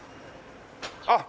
あっ！